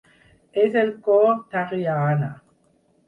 És el cor d'Haryana.